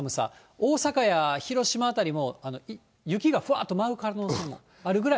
大阪や広島辺りも、雪がふわっと舞う可能性もあるぐらい。